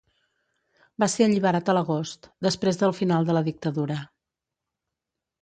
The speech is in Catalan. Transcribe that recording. Va ser alliberat a l'agost, després del final de la dictadura.